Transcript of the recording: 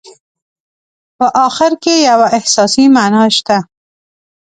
په اخر کې یوه احساسي معنا شته.